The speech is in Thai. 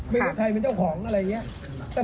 ไม่มีใครเป็นเจ้าของอะไรอย่างนี้